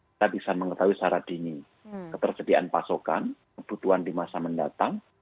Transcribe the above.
kita bisa mengetahui secara dini ketersediaan pasokan kebutuhan di masa mendatang